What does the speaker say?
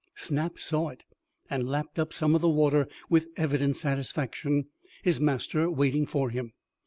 Snap saw it and lapped up some of the water with evident satisfaction, his master waiting for him.